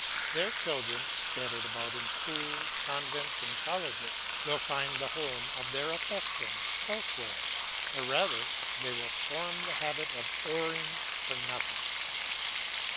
Their children, scattered about in schools, convents, and colleges, will find the home of their affections elsewhere, or rather they will form the habit of caring for nothing.